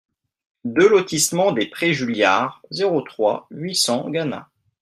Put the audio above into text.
deux lotissement des Prés Juliards, zéro trois, huit cents Gannat